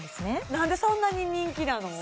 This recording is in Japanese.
なんでそんなに人気なの？